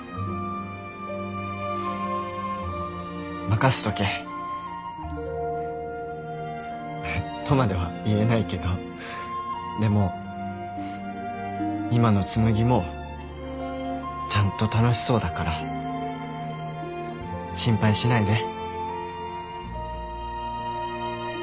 任せとけ。とまでは言えないけどでも今の紬もちゃんと楽しそうだから心配しないで。